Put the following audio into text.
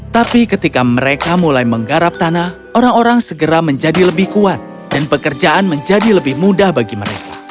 tapi ketika mereka mulai menggarap tanah orang orang segera menjadi lebih kuat dan pekerjaan menjadi lebih mudah bagi mereka